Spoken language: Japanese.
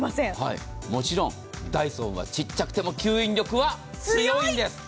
もちろん、ダイソンは小さくても吸引力は強いんです。